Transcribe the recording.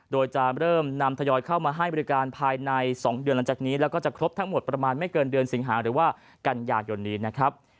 โดยจะเริ่มนำทยอยเข้ามาให้บริการภายใน๒เดือนหลังจากนี้แล้วก็จะครบทั้งหมดประมาณไม่เกินเดือนสิงหาหรือว่ากันยายนนี้นะครับ